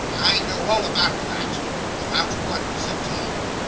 "I know all about that." '"About what?" said Tom.